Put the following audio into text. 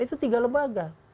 itu tiga lembaga